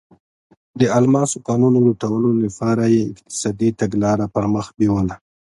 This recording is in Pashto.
د الماسو کانونو لوټلو لپاره یې اقتصادي تګلاره پر مخ بیوله.